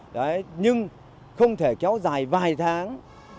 đấy nhưng không thể kéo dài vài tháng